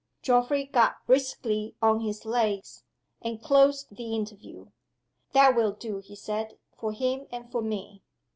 Geoffrey got briskly on his legs, and closed the interview. "That will do," he said, "for him and for me."